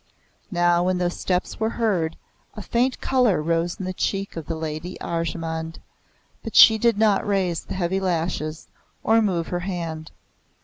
Now, when those steps were heard, a faint colour rose in the cheek of the Lady Arjemand; but she did not raise the heavy lashes, or move her hand.